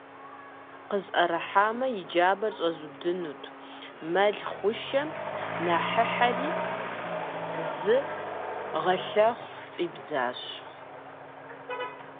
Къысӏэрыхьамэ, и джабэр щӏэзудынут: мэл хъушэм ныхыхьэри, зы гъэлъэхъу фӏибзащ.